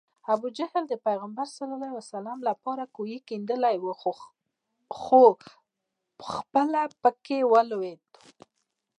ابوجهل د پیغمبر ص لپاره کوهی کیندلی و خو پخپله پکې ولوېد